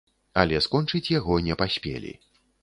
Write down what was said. Але скончыць яго не паспелі.